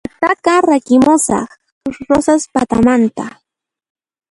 T'antataqa rakimusaq Rosaspataman